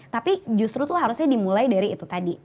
tapi justru itu harusnya dimulai dari itu tadi